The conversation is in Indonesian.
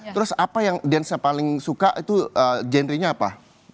terus apa yang dance nya paling suka itu genre nya apa